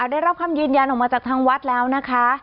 ได้รับคำยืนยันออกมาจากทางวัดแล้วนะคะ